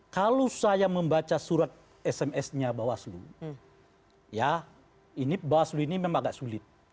kalau saya membaca surat sms nya bawaslu ya ini bawaslu ini memang agak sulit